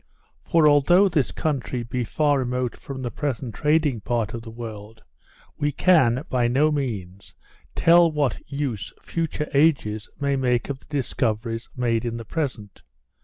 For although this country be far remote from the present trading part of the world, we can, by no means, tell what use future ages may make of the discoveries made in the present.